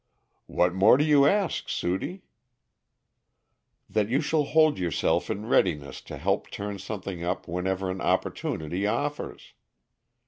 "What more do you ask, Sudie?" "That you shall hold yourself in readiness to help turn something up whenever an opportunity offers.